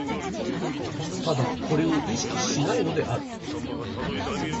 唯これを意識しないのである。